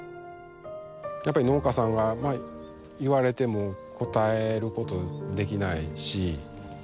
やっぱり農家さんが言われても答えることできないし。